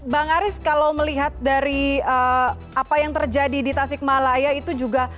bang aris kalau melihat dari apa yang terjadi di tasikmalaya itu juga